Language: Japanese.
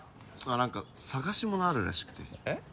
何か探し物あるらしくてえっ？